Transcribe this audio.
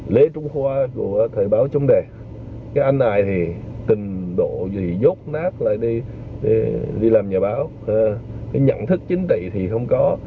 lê trung khoa của thời báo chống đề cái anh này thì trình độ gì dốt nát lại đi làm nhà báo cái nhận thức chính trị thì không có